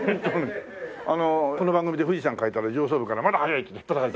あのこの番組で富士山描いたら上層部からまだ早いって引っぱたかれた。